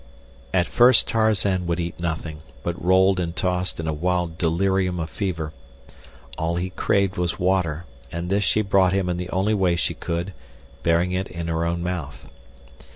At first Tarzan would eat nothing, but rolled and tossed in a wild delirium of fever. All he craved was water, and this she brought him in the only way she could, bearing it in her own mouth.